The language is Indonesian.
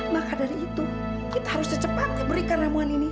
maka dari itu kita harus secepatnya berikan ramuan ini